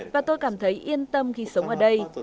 và tôi cảm thấy yên tâm khi sống ở đây